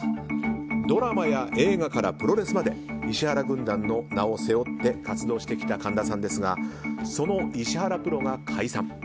ドラマや映画からプロレスまで石原軍団の名を背負って活動してきた神田さんですがその石原プロが解散。